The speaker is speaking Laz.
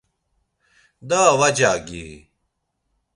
Daha va cagi-i?